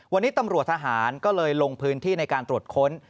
วันนี้ตำรวจทหารก็เลยลงพื้นที่ในการตรวจค้น